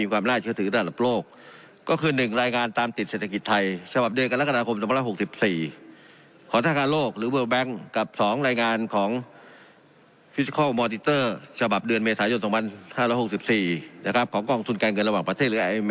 ว่ามันว่างงานเท่าไหร่แล้วเราแก้ปัญหาอย่างไร